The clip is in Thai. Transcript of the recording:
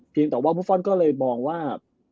เพียงต่อว่าบุฟฟอลก็เลยมองว่า